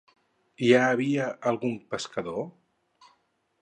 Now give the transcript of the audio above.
Hi havia algun pescador?